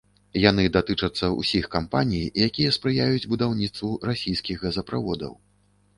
Яны датычацца ўсіх кампаній, якія спрыяюць будаўніцтву расійскіх газаправодаў.